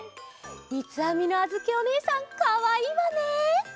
みつあみのあづきおねえさんかわいいわね。